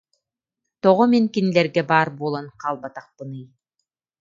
тоҕо мин кинилэргэ баар буолан хаалбатахпыный